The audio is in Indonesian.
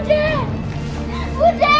budi jangan berpikir disini budi